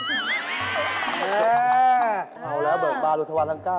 เอ้าแล้วเบิกบานรุธวันทั้งเก้า